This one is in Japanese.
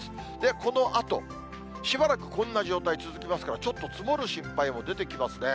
このあと、しばらく、こんな状態続きますから、ちょっと積もる心配も出てきますね。